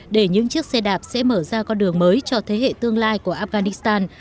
để những chiếc xe đạp sẽ mở ra con đường mới cho thế hệ tương lai của afghanistan